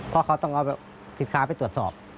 เพราะเขาต้องเอาสินค้าไปตรวจสอบ